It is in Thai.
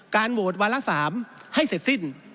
โหวตวาระ๓ให้เสร็จสิ้น